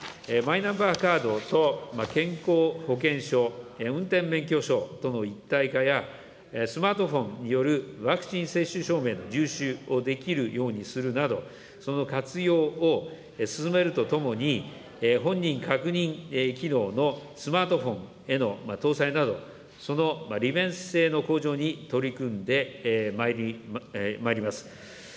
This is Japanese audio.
マイナンバーカードと健康保険証、運転免許証との一体化や、スマートフォンによるワクチン接種証明の入手をできるようにするなど、その活用を進めるとともに、本人確認機能のスマートフォンへの搭載など、その利便性の向上に取り組んでまいります。